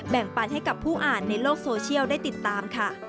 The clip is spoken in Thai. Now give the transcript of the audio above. ปันให้กับผู้อ่านในโลกโซเชียลได้ติดตามค่ะ